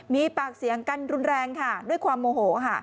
มีปากเสียงกันรุนแรงค่ะด้วยความโมโหค่ะ